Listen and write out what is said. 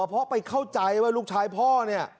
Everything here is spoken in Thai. เพราะไปเข้าใจว่าลูกชายพ่อเนี่ย